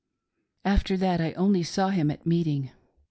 After that I only saw him. at meeting.